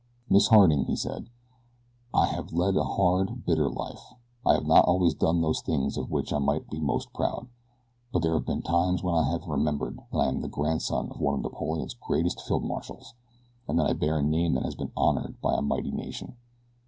"Miss Harding," he said, "I have led a hard, bitter life. I have not always done those things of which I might be most proud: but there have been times when I have remembered that I am the grandson of one of Napoleon's greatest field marshals, and that I bear a name that has been honored by a mighty nation.